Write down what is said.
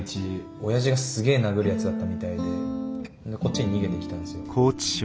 おやじがすげえ殴るやつだったみたいでこっちに逃げてきたんですよ。